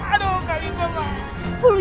aduh kak rina mbak